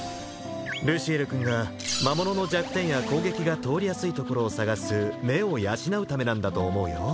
ルシエル君が魔物の弱点や攻撃が通りやすいところを探す目を養うためなんだと思うよ